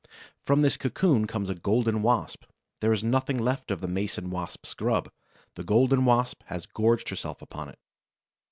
From this cocoon comes a Golden Wasp. There is nothing left of the Mason wasp's grub; the Golden Wasp has gorged herself upon it.